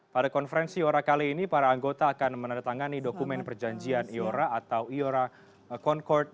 pada konferensi ora kali ini para anggota akan menandatangani dokumen perjanjian iora atau iora concord